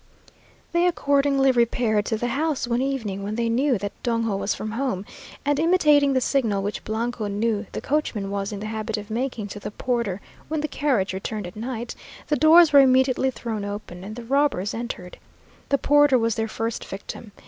They accordingly repaired to the house one evening when they knew that Dongo was from home, and imitating the signal which Blanco knew the coachman was in the habit of making to the porter when the carriage returned at night, the doors were immediately thrown open, and the robbers entered. The porter was their first victim.